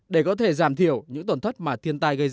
để có thể giảm thiểu những tổn thất mà thiên tai gây ra